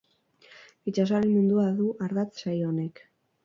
Itsasoaren mundua du ardatz saio honek.